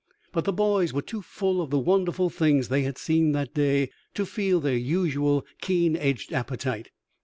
But the boys were too full of the wonderful things they had seen that day to feel their usual keen edged appetite.